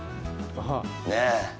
ねえ。